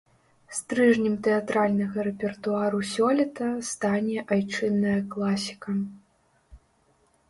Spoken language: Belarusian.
Стрыжнем тэатральнага рэпертуару сёлета стане айчынная класіка.